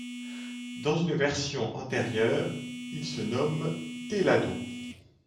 Dans une version antérieure, il se nomme Télado.